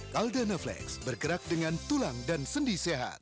caldana flex bergerak dengan tulang dan sendi sehat